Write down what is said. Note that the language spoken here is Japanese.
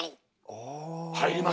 入ります？